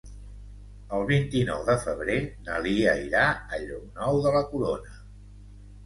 El vint-i-nou de febrer na Lia irà a Llocnou de la Corona.